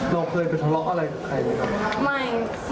น้องเคยไปทะเลาะอะไรกับใครหรือเปล่า